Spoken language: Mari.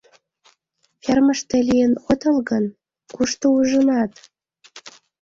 — Фермыште лийын отыл гын, кушто ужынат?